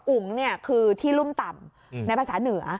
อุ๋งคือที่รุ่มต่ำในภาษาเหนือ